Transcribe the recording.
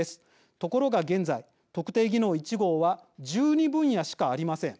ところが現在、特定技能１号は１２分野しかありません。